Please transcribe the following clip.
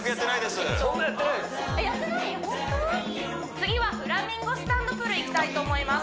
次はフラミンゴスタンド・プルいきたいと思います